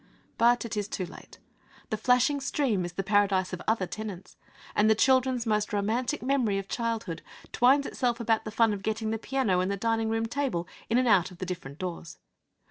But it is too late; the flashing stream is the paradise of other tenants; and the children's most romantic memory of childhood twines itself about the fun of getting the piano and the dining room table in and out of the different doors.